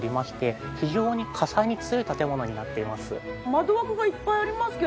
窓枠がいっぱいありますけど。